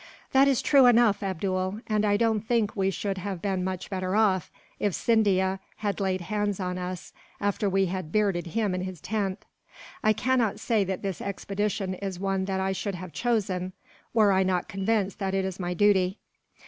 "That is true enough, Abdool; and I don't think we should have been much better off, if Scindia had laid hands on us after we had bearded him in his tent. I cannot say that this expedition is one that I should have chosen, were I not convinced that it is my duty.